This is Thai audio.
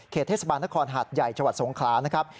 เขตเทศบาลนครหัสใหญ่ชสงครานะครับ